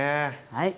はい。